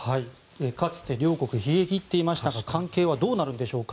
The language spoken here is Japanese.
かつて両国、冷え切っていました関係はどうなるんでしょうか。